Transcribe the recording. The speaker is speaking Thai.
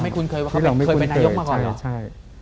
คือเราไม่คุ้นเคยว่าเขาเคยเป็นนายกมาก่อนหรือ